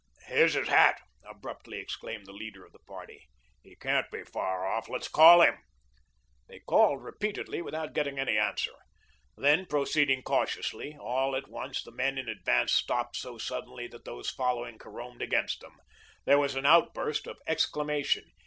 "Here's his hat," abruptly exclaimed the leader of the party. "He can't be far off. Let's call him." They called repeatedly without getting any answer, then proceeded cautiously. All at once the men in advance stopped so suddenly that those following carromed against them. There was an outburst of exclamation.